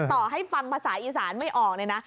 ต่อให้ฟังภาษาอีสานไม่ออกเลยนะ